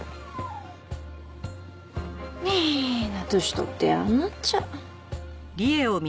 みんな年取って嫌になっちゃう。